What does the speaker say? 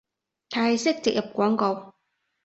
泰式植入廣告